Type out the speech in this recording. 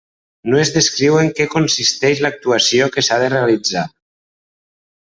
No es descriu en què consisteix l'actuació que s'ha de realitzar.